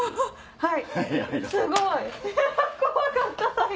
はい。